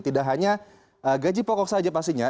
tidak hanya gaji pokok saja pastinya